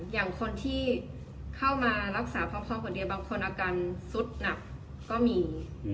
อย่างคนที่เข้ามารักษาพร้อมคนเดียวบางคนอาการสุดหนักก็มี